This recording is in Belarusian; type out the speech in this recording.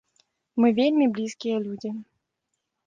Мы вельмі блізкія людзі.